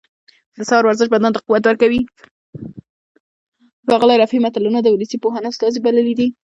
ښاغلي رفیع متلونه د ولسي پوهانو استازي بللي دي